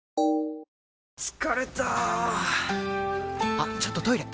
あっちょっとトイレ！